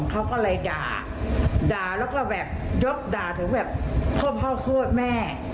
เขาก็เลยด่าด่าแล้วก็แบบยกด่าถึงแบบพ่อโคตรแม่